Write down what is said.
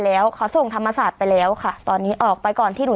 แล้วเขาส่งธรรมศาสตร์ไปแล้วค่ะตอนนี้ออกไปก่อนที่หนู